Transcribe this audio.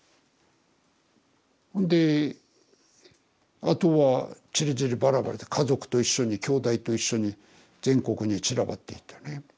であとはちりぢりバラバラで家族と一緒にきょうだいと一緒に全国に散らばっていったね。